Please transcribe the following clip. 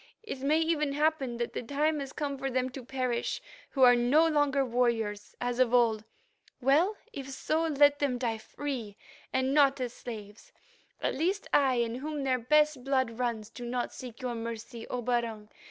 It may even happen that the time has come for them to perish, who are no longer warriors, as of old. Well, if so, let them die free, and not as slaves. At least I, in whom their best blood runs, do not seek your mercy, O Barung.